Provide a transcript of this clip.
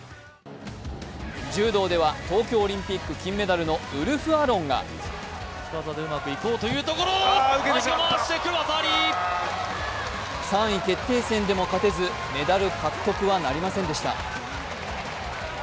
柔道では東京オリンピック金メダルのウルフアロンが３位決定戦でも勝てずメダル獲得はなりませんでした。